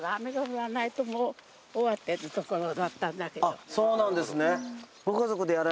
あっそうなんですね。